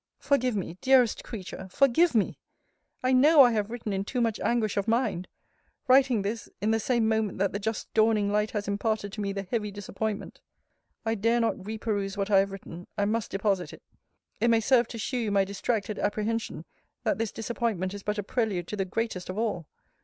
Forgive me, dearest creature, forgive me! I know I have written in too much anguish of mind! Writing this, in the same moment that the just dawning light has imparted to me the heavy disappointment. I dare not re peruse what I have written. I must deposit it. It may serve to shew you my distracted apprehension that this disappointment is but a prelude to the greatest of all.